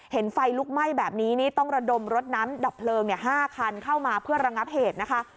ไฟลุกไหม้แบบนี้นี่ต้องระดมรถน้ำดับเพลิง๕คันเข้ามาเพื่อระงับเหตุนะคะ